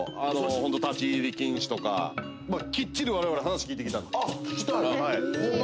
ホント「立ち入り禁止」とかきっちり我々話聞いてきたんであっ聞きたいホンマ